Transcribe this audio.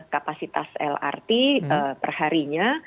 kapasitas lrt perharinya